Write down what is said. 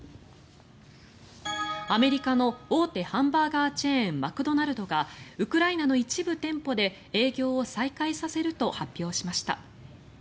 アメリカの大手ハンバーガーチェーンマクドナルドがウクライナの一部店舗で営業を再開させると発表しました。